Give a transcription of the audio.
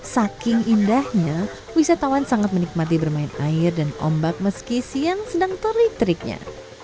saking indahnya wisatawan sangat menikmati bermain air dan ombak meski siang sedang terik teriknya